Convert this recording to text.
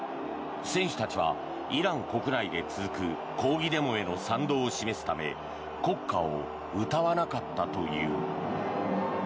選手たちはイラン国内で続く抗議デモへの賛同を示すため国歌を歌わなかったという。